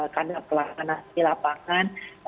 karena pelan pelan di lapangan